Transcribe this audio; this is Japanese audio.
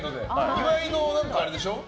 岩井の、あれでしょ？